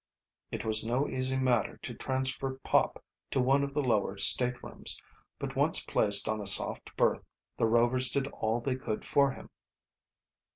It was no easy matter to transfer Pop to one of the lower staterooms, but once placed on a soft berth the Rovers did all they could for him.